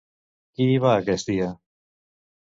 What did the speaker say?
Qui hi va aquest dia?